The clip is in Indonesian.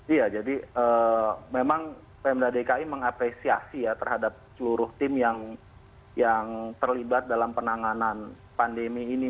iya jadi memang pmd dki mengapresiasi ya terhadap seluruh tim yang terlibat dalam penanganan pandemi ini